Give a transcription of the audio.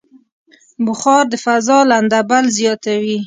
بخار د فضا لندبل زیاتوي.